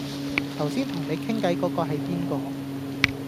頭先同你傾偈嗰嗰係邊個